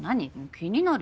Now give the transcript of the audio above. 気になる。